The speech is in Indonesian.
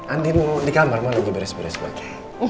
andir di kamar malah lagi beres beres pake